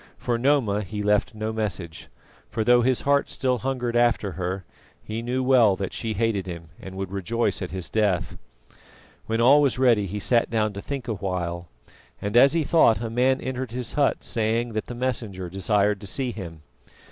For Noma he left no message; for though his heart still hungered after her, he knew well that she hated him and would rejoice at his death. When all was ready he sat down to think a while, and as he thought, a man entered his hut saying that the Messenger desired to see him.